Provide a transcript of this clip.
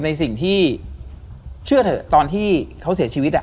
ในสิ่งที่เชื่อเถอะตอนที่เขาเสียชีวิต